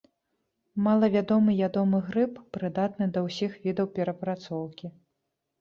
Малавядомы ядомы грыб, прыдатны да ўсіх відаў перапрацоўкі.